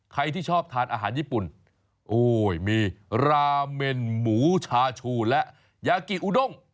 ใครที่ชอบทานอาหารญี่ปุ่นโอ้ยมีราเมนหมูชาชูและยากิอุดง